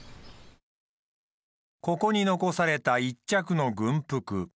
ここに残された一着の軍服。